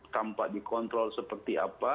tanpa dikontrol seperti apa